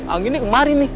anginnya kemarin nih